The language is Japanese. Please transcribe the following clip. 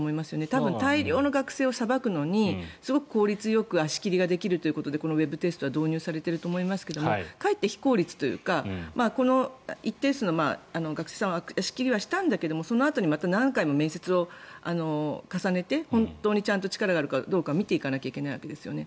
多分、大量の学生をさばくのにすごく効率よく足切りができるということでこのウェブテストは導入されていると思いますがかえって非効率というかこの一定数の学生さんを足切りはしたんだけどそのあとにまた何回も面接を重ねて本当にちゃんと力があるかどうか見ていかなきゃいけないわけですよね。